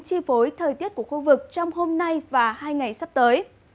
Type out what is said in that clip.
chi phối thời tiết của khu vực trong hôm nay và hai ngày sắp tới